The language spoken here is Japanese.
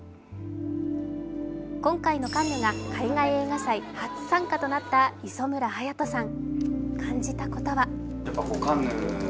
今回のカンヌが海外映画祭初参加となった磯村勇斗さん。